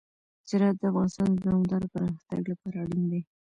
زراعت د افغانستان د دوامداره پرمختګ لپاره اړین دي.